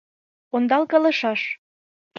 Ондалкалышаш.